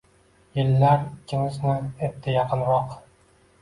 Yillar ikkimizni etdi yaqinroq.